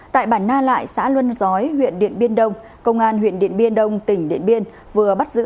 tại bản na lại xã luân giói huyện điện biên đông công an huyện điện biên đông tỉnh điện biên vừa bắt giữ